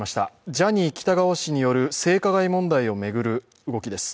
ジャニー喜多川氏による性加害問題を巡る動きです。